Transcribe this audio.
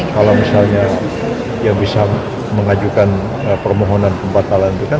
kalau misalnya yang bisa mengajukan permohonan pembatalan itu kan